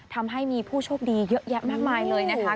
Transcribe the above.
ทำให้มีผู้โชคดีเยอะแยะมากมายเลยนะคะ